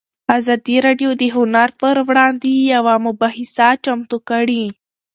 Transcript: ازادي راډیو د هنر پر وړاندې یوه مباحثه چمتو کړې.